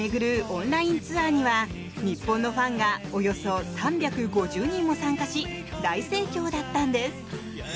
オンラインツアーには日本のファンがおよそ３５０人も参加し大盛況だったんです。